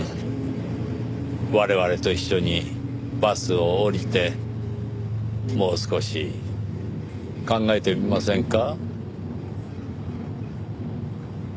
我々と一緒にバスを降りてもう少し考えてみませんか？